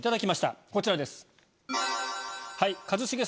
こちらです。